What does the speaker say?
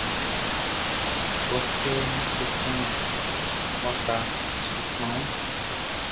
Klɔfuɛʼm be kplan waka su kpanwun.